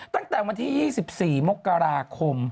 ตั้งแต่วันที่๒๔มกราคม